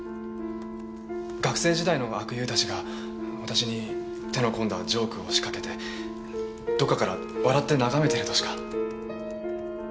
学生時代の悪友たちが私に手の込んだジョークを仕掛けてどこかから笑って眺めてるとしか。